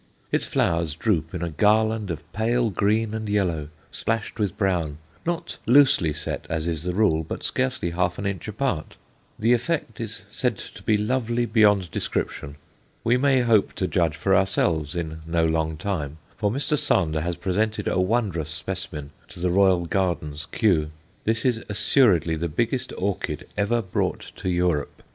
Its flowers droop in a garland of pale green and yellow, splashed with brown, not loosely set, as is the rule, but scarcely half an inch apart. The effect is said to be lovely beyond description. We may hope to judge for ourselves in no long time, for Mr. Sander has presented a wondrous specimen to the Royal Gardens, Kew. This is assuredly the biggest orchid ever brought to Europe.